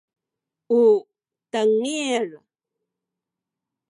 u tengil